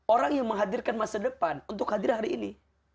orang yang menghadirkan masa depan untuk hadir hari ini